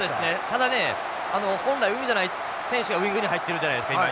ただね本来ウイングじゃない選手がウイングに入ってるじゃないですか今。